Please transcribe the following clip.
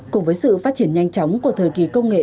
cùng với sự phát triển nhanh chóng của thời kỳ công nghệ bốn